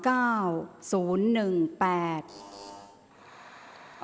ออกรางวัลที่๖เลขที่๗